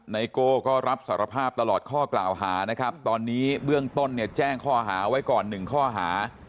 ไโก้ก็รับสารภาพตลอดข้อกล่าวหานะครับตอนนี้เบื้องต้นเนี่ยแจ้งข้อหาไว้ก่อน๑ข้อหา